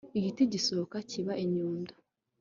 Igiti gisohoka kiba inyundo